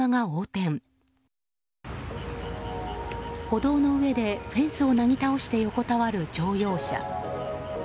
歩道の上でフェンスをなぎ倒して横たわる乗用車。